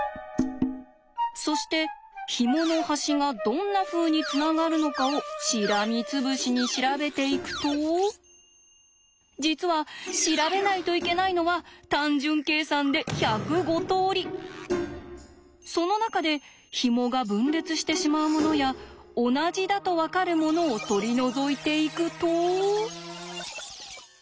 そしてひもの端がどんなふうにつながるのかをしらみつぶしに調べていくと実は調べないといけないのは単純計算でその中でひもが分裂してしまうものや同じだと分かるものを取り除いていくと。